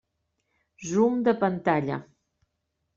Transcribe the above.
Zoom de pantalla.